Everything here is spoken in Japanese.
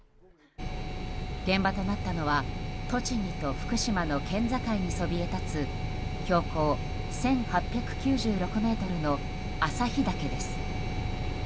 現場となったのは栃木と福島の県境にそびえ立つ標高１８９６ｍの朝日岳です。